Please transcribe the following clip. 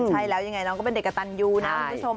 ใช่แล้วยังไงน้องก็เป็นเด็กกระตันยูนะคุณผู้ชม